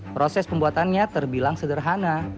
proses pembuatannya terbilang sederhana